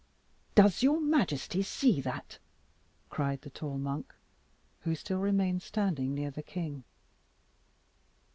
"Does your majesty see that?" cried the tall monk, who still remained standing near the king.